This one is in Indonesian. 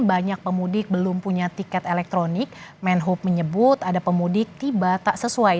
banyak pemudik belum punya tiket elektronik menhub menyebut ada pemudik tiba tak sesuai